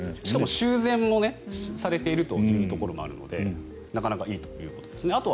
しかも修繕もされているというところもあるのでなかなかいいということですね。